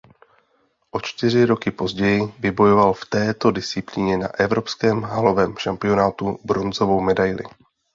O čtyři roky později vybojoval v této disciplíně na evropském halovém šampionátu bronzovou medaili.